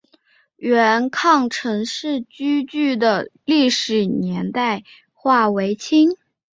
元坑陈氏民居的历史年代为清。